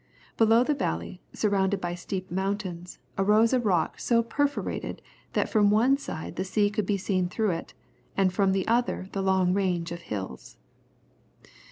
Below the valley, surrounded by steep mountains, arose a rock so perforated, that from one side the sea could be seen through it, and from the other the long range of hills.